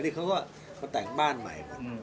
นี่เขาแต่งบ้านใหม่